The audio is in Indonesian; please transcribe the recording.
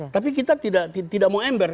tapi kita tidak mau ember